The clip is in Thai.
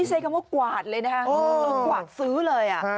ใช้คำว่ากวาดเลยนะคะกวาดซื้อเลย